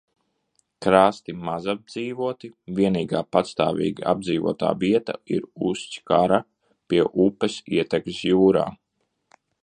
Krasti mazapdzīvoti, vienīgā pastāvīgi apdzīvotā vieta ir Ustjkara pie upes ietekas jūrā.